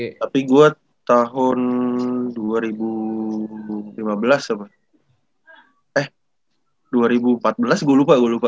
tapi gue tahun dua ribu lima belas sama eh dua ribu empat belas gue lupa gue lupa